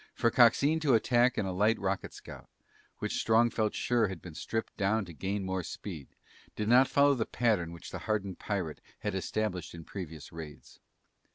For Coxine to attack in a light rocket scout, which Strong felt sure had been stripped down to gain more speed, did not follow the pattern which the hardened pirate had established in previous raids.